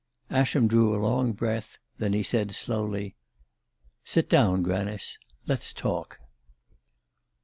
Ascham drew a long breath; then he said slowly: "Sit down, Granice. Let's talk."